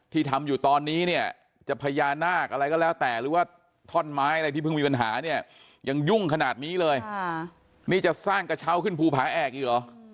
ที่ทำอยู่ตอนนี้เนี่ยจะพญานาคอะไรก็แล้วแต่